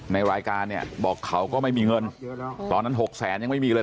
ในรายการเนี่ยบอกเขาก็ไม่มีเงินตอนนั้น๖แสนยังไม่มีเลย